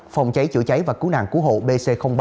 phòng cháy chữa cháy và cứu nạn cứu hộ bc ba